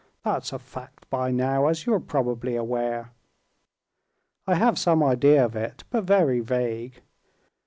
That's a fact by now, as you're probably aware." "I have some idea of it, but very vague."